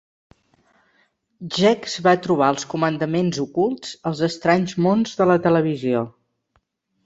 Gex va trobar els comandaments ocults als estranys mons de la televisió.